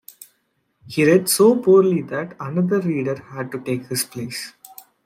He read so poorly that another reader had to take his place.